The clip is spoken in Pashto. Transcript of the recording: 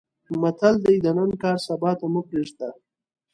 متل دی: د نن کار سبا ته مې پرېږده.